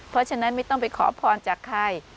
เพราะฉะนั้นไม่ต้องไปขอพรจากใคร